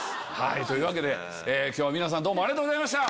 というわけで今日は皆さんどうもありがとうございました。